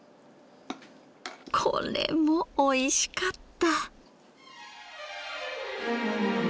これもおいしかった。